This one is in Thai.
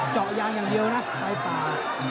เจาะยางอย่างเดียวนะไฟป่า